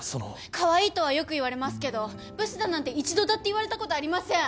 カワイイとはよく言われますけどブスだなんて一度だって言われたことありません！